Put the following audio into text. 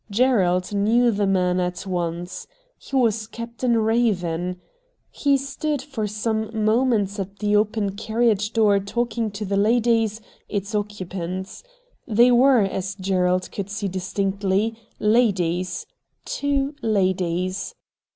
Gerald knew the man at once. He was Captain Eaven. He stood for some moments at the open carriage door talking to the ladies, its occupants. They were, as Gerald could see distinctly, ladies — two ladies.